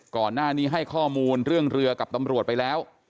ก่อนหน้านี้ให้ข้อมูลเรื่องเรือกับตำรวจไปแล้ว